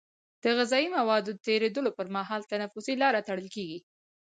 د غذایي موادو د تیرېدلو پر مهال تنفسي لاره تړل کېږي.